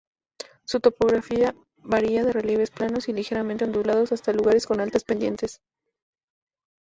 Su topografía varía de relieves planos y ligeramente ondulados hasta lugares con altas pendientes.